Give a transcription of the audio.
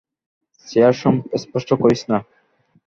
Chair স্পর্শ করিস না!